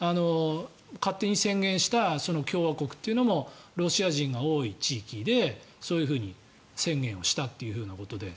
勝手に宣言した共和国というのもロシア人が多い地域でそういうふうに宣言をしたというふうなことで。